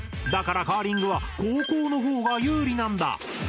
だからカーリングは後攻の方が有利なんだ。